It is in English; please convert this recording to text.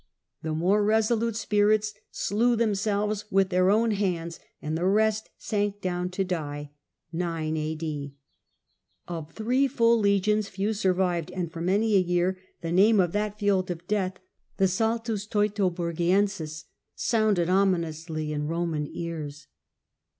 The more resolute spirits slew legions. thcmsclves with their own hands, and the A.D. 9 sank down to die. Of three full legions few survived, and for many a year the name of that field of death — the Saltus Teutoburgiensis — sounded ominously in Roman ears.